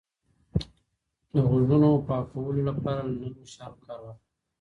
د غوږونو پاکولو لپاره له نرمو شیانو کار واخلئ.